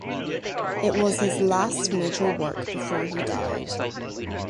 It was his last major work before he died.